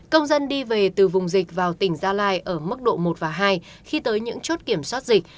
công dân đi về từ vùng dịch vào tỉnh gia lai ở mức độ một và hai khi tới những chốt kiểm soát dịch